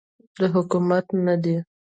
دا حکومت نه دی